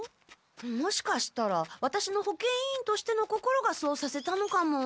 もしかしたらワタシの保健委員としての心がそうさせたのかも。